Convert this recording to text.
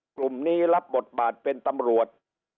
กลุ่มนี้รับบทบาทเป็นตำรวจ